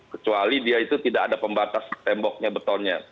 kecuali dia itu tidak ada pembatas temboknya betonnya